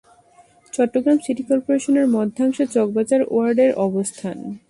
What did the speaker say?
Chittagong city কর্পোরেশনের মধ্যাংশে চকবাজার ওয়ার্ডের অবস্থান।